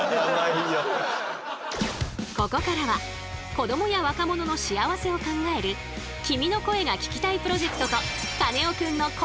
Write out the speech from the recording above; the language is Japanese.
ここからは子どもや若者の幸せを考える「君の声が聴きたい」プロジェクトと「カネオくん」のだって